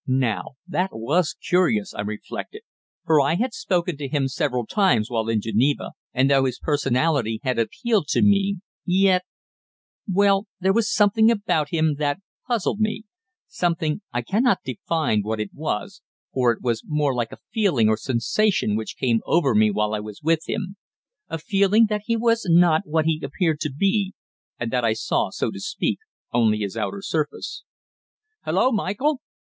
Now, that was curious, I reflected, for I had spoken to him several times while in Geneva, and though his personality had appealed to me, yet Well, there was something about him that puzzled me, something I cannot define what it was, for it was more like a feeling or sensation which came over me while I was with him a feeling that he was not what he appeared to be, and that I saw, so to speak, only his outer surface. "Hullo, Michael!"